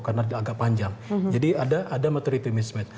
karena dia agak panjang jadi ada maturity mismatch